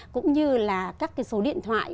cũng như là các số điện thoại